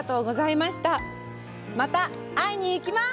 また会いに行きます！